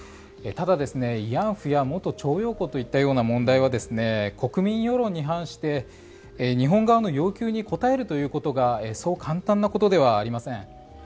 ただ、慰安婦や元徴用工といった問題は国民世論に反して日本側の要求に応えるということがそう簡単なことではありません。